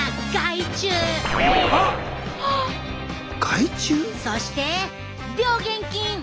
害虫？そして病原菌！